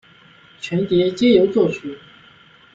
全碟皆由作曲。